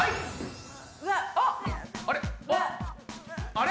あれ？